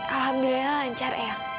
alhamdulillah lancar eang